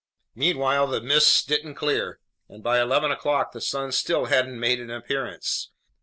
Meanwhile the mists didn't clear, and by eleven o'clock the sun still hadn't made an appearance.